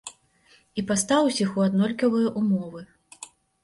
І пастаў усіх у аднолькавыя ўмовы.